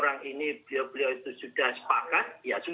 dan ini bagian dari menyiapkan seratus tahun itu